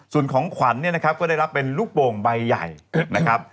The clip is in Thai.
ส่วนของขวัญเนี่ยนะครับก็ได้รับเป็นลูกโป่งใบใหญ่นะครับ